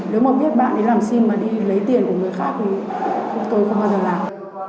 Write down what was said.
nếu mà biết bạn đi làm sim mà đi lấy tiền của người khác thì tôi không bao giờ làm